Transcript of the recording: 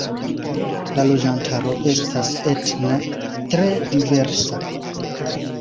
La loĝantaro estas etne tre diversa.